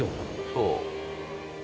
そう。